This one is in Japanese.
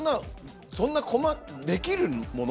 そんな細かくできるもの？